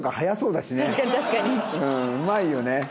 うんうまいよね。